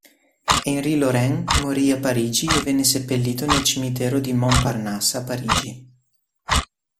Henri Laurens morì a Parigi e venne seppellito nel Cimitero di Montparnasse a Parigi.